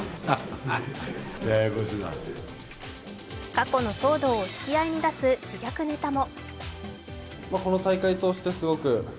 過去の騒動を引き合いに出す自虐ネタも。